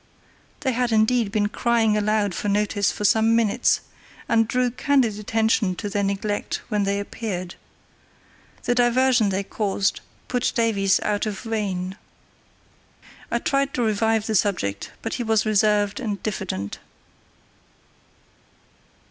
They had indeed been crying aloud for notice for some minutes, and drew candid attention to their neglect when they appeared. The diversion they caused put Davies out of vein. I tried to revive the subject, but he was reserved and diffident.